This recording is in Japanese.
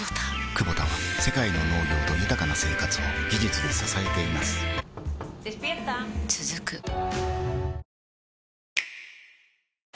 クボタは世界の農業と豊かな生活を技術で支えています起きて。